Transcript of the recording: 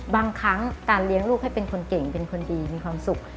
บางครั้งการเลี้ยงลูกให้เป็นคนเก่งเป็นคนดีมีความสุข